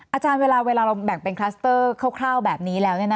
อาจารย์เวลาเราแบ่งเป็นคลัสเตอร์คร่าวแบบนี้แล้ว